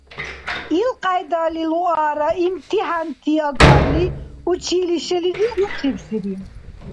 Илкьяйдали Луара имтихӀянти агарли, училищелизи руцибсири.